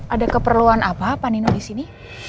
ada keperluan apa panino di sini